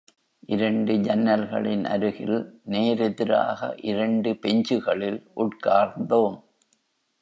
இரண்டு ஜன்னல்களின் அருகில் நேர் எதிராக இரண்டு பெஞ்சுகளில் உட்கார்ந்தோம்.